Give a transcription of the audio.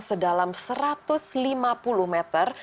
sedalam satu ratus lima puluh meter